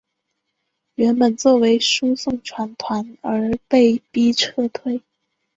原本作为输送船团而被逼撤退。